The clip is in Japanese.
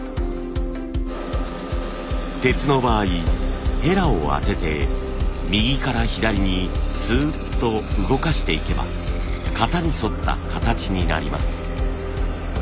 鉄の場合ヘラを当てて右から左にスーッと動かしていけば型に沿った形になります。